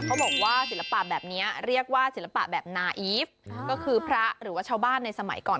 เขาบอกว่าศิลปะแบบนี้เรียกว่าศิลปะแบบนาอีฟก็คือพระหรือว่าชาวบ้านในสมัยก่อน